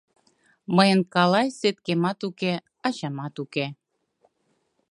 Мыйын калай сеткемат уке, ачамат уке...